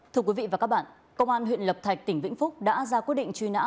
thưa quý vị và các bạn công an huyện lập thạch tỉnh vĩnh phúc đã ra quyết định truy nã